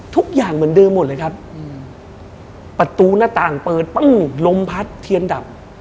ทุกอย่างเหมือนเดิมหมดเลยครับประตูหน้าต่างเปิดปึ้งลมพัดเทียนดับ